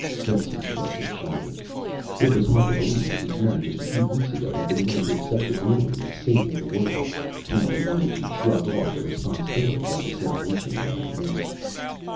Gelsen shrugged his shoulders. It was hard to believe that these men, just a few weeks ago, had been willing to accept the glory of saving the world. Now they wanted to shrug off the responsibility when the salvation went amiss.